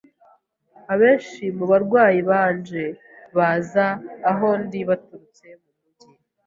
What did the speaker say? Abenshi mu barwayi banje baza aho ndi baturutse mu mujyi.